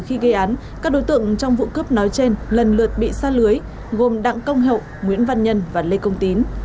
khi gây án các đối tượng trong vụ cướp nói trên lần lượt bị xa lưới gồm đặng công hậu nguyễn văn nhân và lê công tín